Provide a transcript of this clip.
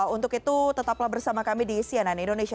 untuk itu tetaplah bersama kami di cnn indonesia